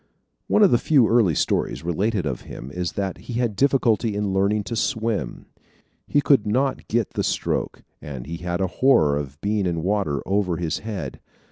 One of the few early stories related of him is that he had difficulty in learning to swim. He could not get the stroke and he had a horror of being in water over his head.